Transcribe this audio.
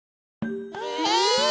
え！？